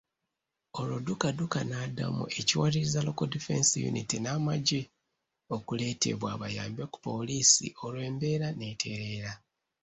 Olwo dduka dduka n'addamu ekiwalirizza Local Defence Unity n'amagye okuleetebwa bayambe ku poliisi olwo embeera n'etereera.